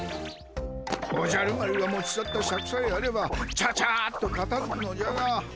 おじゃる丸が持ち去ったシャクさえあればチャチャッとかたづくのじゃが。